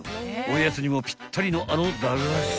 ［おやつにもぴったりのあの駄菓子］